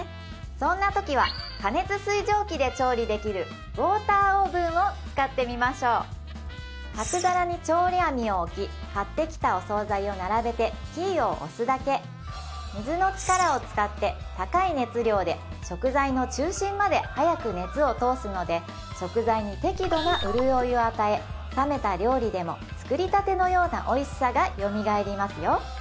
そんなときは過熱水蒸気で調理できるウォーターオーブンを使ってみましょう角皿に調理あみを置き買ってきたお惣菜を並べてキーを押すだけ水の力を使って高い熱量で食材の中心まで早く熱を通すので食材に適度な潤いを与え冷めた料理でも作りたてのようなおいしさがよみがえりますよ